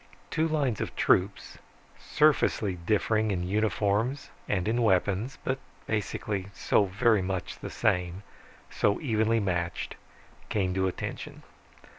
Two lines of troops, surfacely differing in uniforms and in weapons, but basically so very the same, so evenly matched, came to attention.